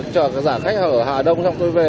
chờ giả khách ở hà đông xong tôi về